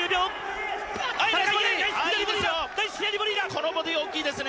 このボディ、大きいですね。